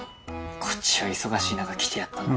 こっちは忙しいなか来てやったのに。